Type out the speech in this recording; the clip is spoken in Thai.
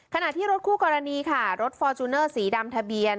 ขณะที่รถคู่กรณีค่ะรถฟอร์จูเนอร์สีดำทะเบียน